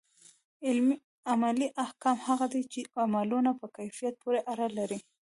عملي احکام هغه دي چي د عملونو په کيفيت پوري اړه لري.